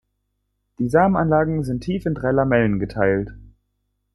Die Samenanlagen sind tief in drei Lamellen geteilt.